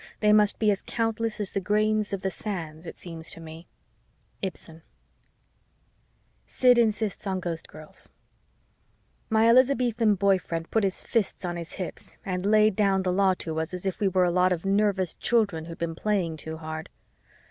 They must be as countless as the grains of the sands, it seems to me. Ibsen SID INSISTS ON GHOSTGIRLS My Elizabethan boy friend put his fists on his hips and laid down the law to us as if we were a lot of nervous children who'd been playing too hard.